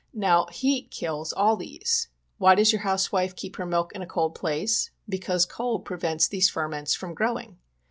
Now, heat kills all these ; why does your house wife keep her milk in a cold place ? because cold prevents these ferments from growing.